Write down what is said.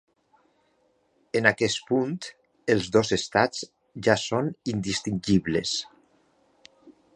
En aquest punt, els dos estats ja són indistingibles.